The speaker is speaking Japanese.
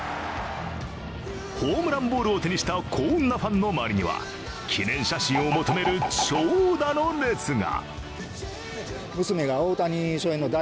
ホームランボールを手にした幸運なファンの周りには記念写真を求める長蛇の列が。